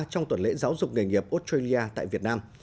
trong tuần lễ giáo dục nghề nghiệp australia tại việt nam